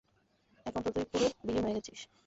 এখন তো তুই পুরো বিলীন হয়ে গেছিস।